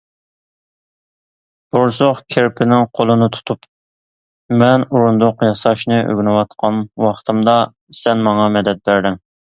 بورسۇق كىرپىنىڭ قولىنى تۇتۇپ: - مەن ئورۇندۇق ياساشنى ئۆگىنىۋاتقان ۋاقتىمدا، سەن ماڭا مەدەت بەردىڭ.